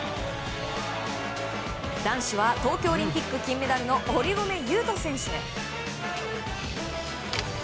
男子は東京オリンピック金メダルの堀米雄斗選手。